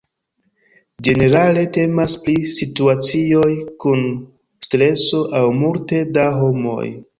Ĝenerale temas pri situacioj kun streso aŭ multe da homoj.